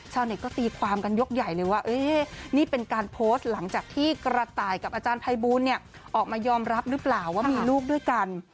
ชาวเน็ตก็ตีความกันยกใหญ่เลยว่านี่เป็นการโพสต์หลังจากที่กระต่ายกับอาจารย์ภัยบูลออกมายอมรับหรือเปล่าว่ามีลูกด้วยกัน